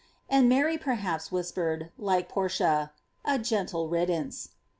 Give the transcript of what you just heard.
And Mary, perhaps, whispered, like Portia — "A gentle riddance.